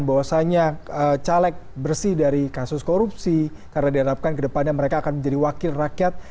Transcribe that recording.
bahwasannya caleg bersih dari kasus korupsi karena diharapkan kedepannya mereka akan menjadi wakil rakyat